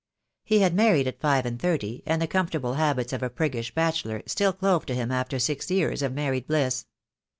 He had married at five and thirty, and the comfortable habits of a priggish bachelor still clove to him after six years of married bliss.